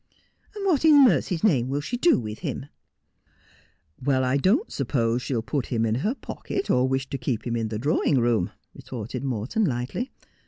' What in mercy's name will she do with him 1 '' Well, I don't suppose she'll put him in her pocket, or wish to keep him in the drawing room,' retorted Morton lightly.